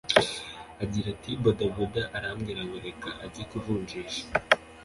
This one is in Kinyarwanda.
Agira ati “Boda Boda arambwira ngo reka ajye kuvunjisha